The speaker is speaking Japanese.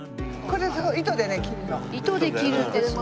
糸で切るんですね。